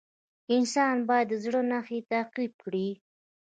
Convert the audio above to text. انسان باید د زړه نښې تعقیب کړي.